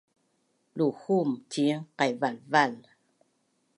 Luhum ciin qaivalval